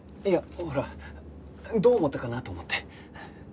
いやほらどう思ったかなと思って。